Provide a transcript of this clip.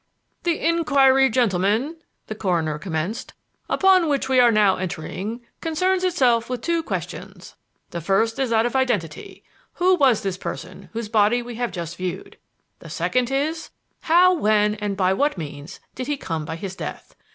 "The inquiry, gentlemen," the coroner commenced, "upon which we are now entering concerns itself with two questions. The first is that of identity: who was this person whose body we have just viewed? The second is: How, when, and by what means did he come by his death?